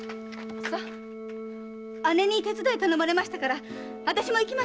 義姉に手伝い頼まれましたからあたしも行きます。